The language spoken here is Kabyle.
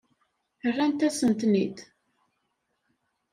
Rrant-asen-ten-id?